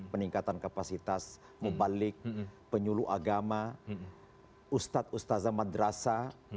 peningkatan kapasitas membalik penyuluh agama ustadz ustadzah madrasah